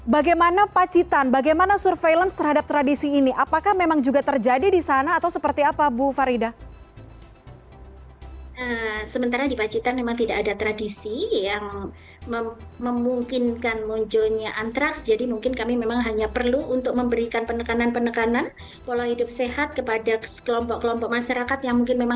bagaimana pacitan bagaimana surveillance terhadap tradisi ini apakah memang juga terjadi di sana atau seperti apa bu farida